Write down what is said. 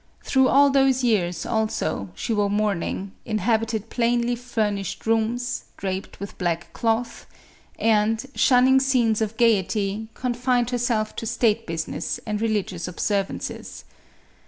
Through all those years, also, she wore mourning, inhabited plainly furnished rooms, draped with black cloth, and, shunning scenes of gayety, confined herself to state business and religious observances.